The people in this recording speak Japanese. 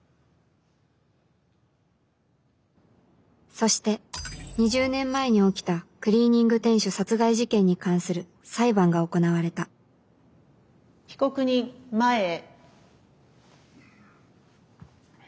そして２０年前に起きたクリーニング店主殺害事件に関する裁判が行われた被告人前へ。